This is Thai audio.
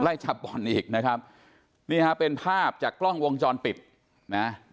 จับบ่อนอีกนะครับนี่ฮะเป็นภาพจากกล้องวงจรปิดนะ